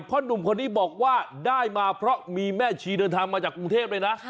หนุ่มคนนี้บอกว่าได้มาเพราะมีแม่ชีเดินทางมาจากกรุงเทพเลยนะ